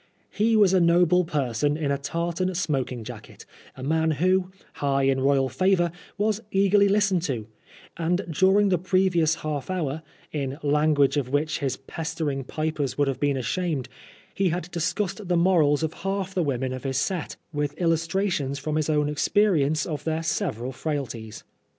He was a noble person in a tartan smoking jacket, a man who, high in royal favour, was eagerly listened to ; and during the previous half hour, in language of which his pestering pipers would have been ashamed, he had dis cussed the morals of half the women of his set, with illustrations from his own experience of their several frailties.